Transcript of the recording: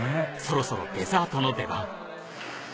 そろそろデザートの出番